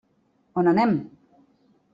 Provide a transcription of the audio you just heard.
On anem?